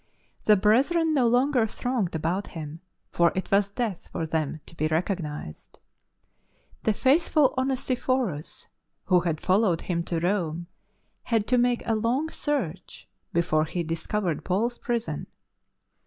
The brethren no longer thronged about him, for it was death for them to be recognized. The faithful Onesiphorus who had followed him to Rome had to make a long search before he discovered Paul's prison.